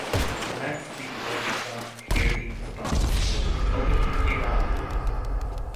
Let's see what we got here in this box. Open it up!